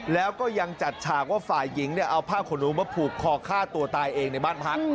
แล้วก็ยังจัดฉากว่าฝ่ายหญิงเนี่ยเอาผ้าขนหนูมาผูกคอฆ่าตัวตายเองในบ้านพัก